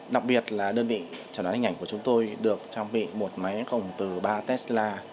đặc biệt là đơn vị chẳng đoán hình ảnh của chúng tôi được trang bị một máy gồm từ ba tesla